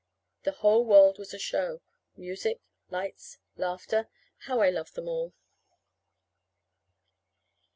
The whole world was a show. Music, lights, laughter how I loved them all!